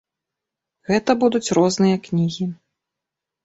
Гэта будуць розныя кнігі.